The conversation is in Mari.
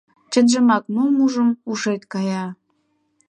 Чынжымак, мом ужым — ушет кая!..